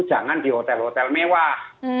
jangan di hotel hotel mewah